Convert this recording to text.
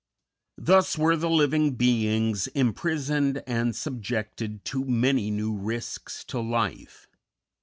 Thus were the living beings imprisoned and subjected to many new risks to life.